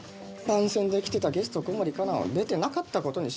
番宣で来てたゲスト小森かなを出てなかったことにしろ？